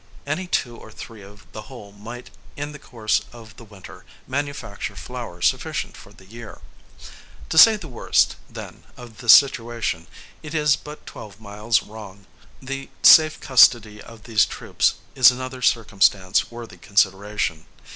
Any two or three of the whole might, in the course of the winter, manufacture flour sufficient for the year. To say the worst, then, of this situation, it is but twelve miles wrong. The safe custody of these troops is another circumstance worthy consideration.